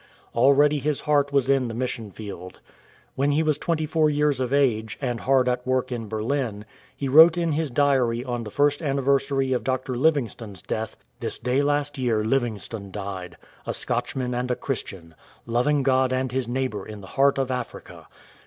Already his heart was in the mission field. YvHien he was twenty four years of age, and hard at work in Berlin, he wrote in his diary on the first anniversary of Dr. Livingstone's death :" This day last year Livingstone died — a Scotchman and a Christian, loving God and his neighbour in the heart of Africa.